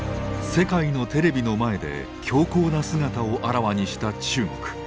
世界のテレビの前で強硬な姿をあらわにした中国。